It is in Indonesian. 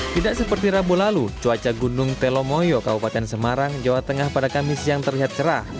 tidak seperti rabu lalu cuaca gunung telomoyo kabupaten semarang jawa tengah pada kamis yang terlihat cerah